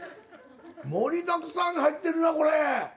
盛りだくさん入ってるなこれ。